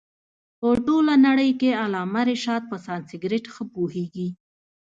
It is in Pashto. په ټوله نړۍ کښي علامه رشاد په سانسکرېټ ښه پوهيږي.